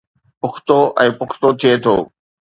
پختو ۽ پختو ٿئي ٿو